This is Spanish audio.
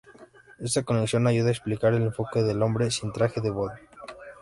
Esta conexión ayuda a explicar el enfoque del hombre sin traje de boda.